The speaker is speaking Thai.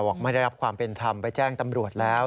ไม่ได้รับความเป็นธรรมไปแจ้งตำรวจแล้ว